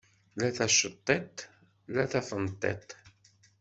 La taceṭṭiḍt la tafenṭiḍt.